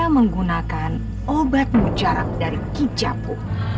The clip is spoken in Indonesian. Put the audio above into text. saya menggunakan obat mujarak dari gijapu